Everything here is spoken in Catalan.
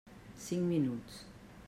Cinc minuts.